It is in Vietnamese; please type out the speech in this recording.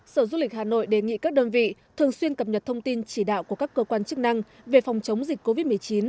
sở du lịch hà nội đề nghị các đơn vị thường xuyên cập nhật thông tin chỉ đạo của các cơ quan chức năng về phòng chống dịch covid một mươi chín